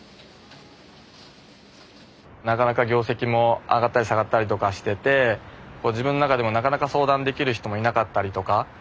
なかなか業績も上がったり下がったりとかしててこう自分の中でもなかなか相談できる人もいなかったりとか。